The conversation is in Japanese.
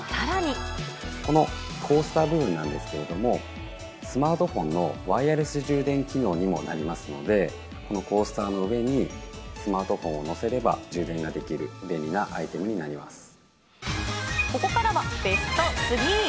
このコースター部分なんですけれども、スマートフォンのワイヤレス充電機能にもなりますので、このコースターの上にスマートフォンを載せれば充電ができる便利ここからはベスト３。